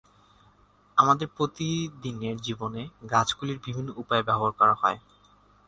আমাদের প্রতিদিনের জীবনে গাছগুলি বিভিন্ন উপায়ে ব্যবহার করা হয়।